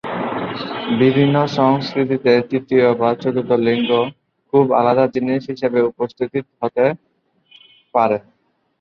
বিভিন্ন সংস্কৃতিতে তৃতীয় বা চতুর্থ লিঙ্গ খুব আলাদা জিনিস হিসাবে উপস্থাপিত হতে পারে।